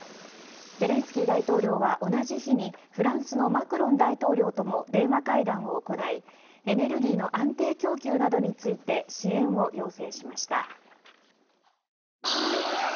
ゼレンスキー大統領は同じ日にフランスのマクロン大統領とも電話会談を行い、エネルギーの安定供給などについて支援を要請しました。